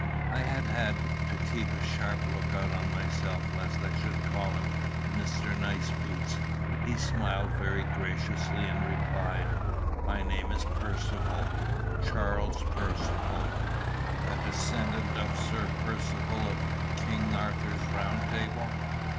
I had had to keep a sharp look out on myself lest I should call him Mr. Niceboots. He smiled very graciously and replied, "My name is Percivale Charles Percivale." "A descendant of Sir Percivale of King Arthur's Round Table?"